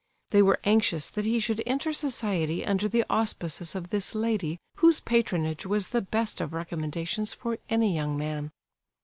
They were anxious that he should enter society under the auspices of this lady, whose patronage was the best of recommendations for any young man.